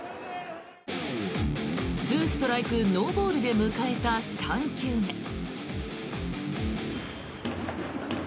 ２ストライク、ノーボールで迎えた３球目。